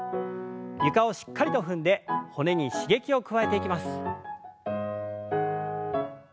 床をしっかりと踏んで骨に刺激を加えていきます。